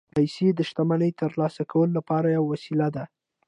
پیسې د شتمنۍ ترلاسه کولو لپاره یوه وسیله ده